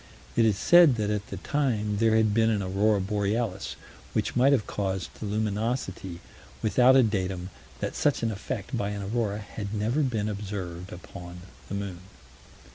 It is said that at the time there had been an aurora borealis, which might have caused the luminosity, without a datum that such an effect, by an aurora, had ever been observed upon the moon.